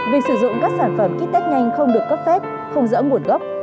việc sử dụng các sản phẩm kích test nhanh không được cấp phép không dỡ nguồn gốc